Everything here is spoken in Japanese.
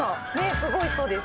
すごいおいしそうです。